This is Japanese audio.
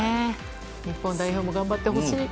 日本代表も頑張ってほしい！